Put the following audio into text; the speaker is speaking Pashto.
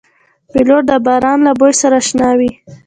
پیلوټ د باران له بوی سره اشنا وي.